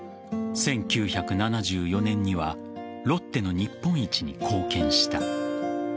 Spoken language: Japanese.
１９７４年にはロッテの日本一に貢献した。